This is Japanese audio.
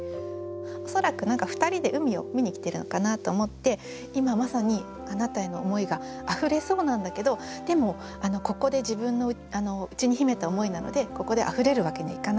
恐らく何か２人で海を見に来てるのかなと思って今まさにあなたへの思いが溢れそうなんだけどでもここで自分の内に秘めた思いなのでここで溢れるわけにはいかない。